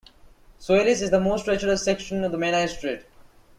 Swellies is the most treacherous section of the Menai Strait.